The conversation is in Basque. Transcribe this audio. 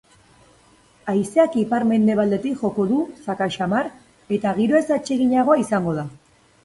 Haizeak ipar-mendebaldetik joko du, zakar samar, eta giro ezatseginagoa izango da.